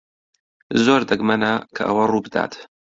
زۆر دەگمەنە کە ئەوە ڕوو بدات.